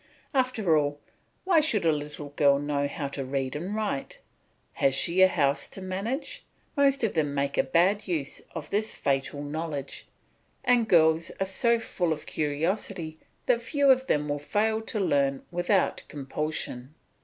After all, why should a little girl know how to read and write! Has she a house to manage? Most of them make a bad use of this fatal knowledge, and girls are so full of curiosity that few of them will fail to learn without compulsion.